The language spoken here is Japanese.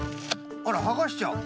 あらはがしちゃう？